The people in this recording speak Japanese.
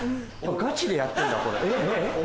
ガチでやってんだこれ。